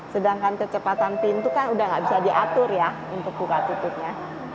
sedangkan kecepatan pintu kan udah nggak bisa diatur ya untuk buka tutupnya